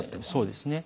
そうですね。